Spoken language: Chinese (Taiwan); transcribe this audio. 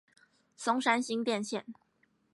松山新店線